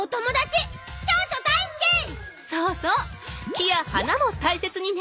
木や花も大切にね。